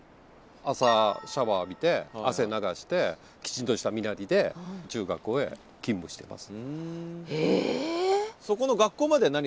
朝シャワー浴びて汗流してきちんとした身なりで中学校へ勤務してます。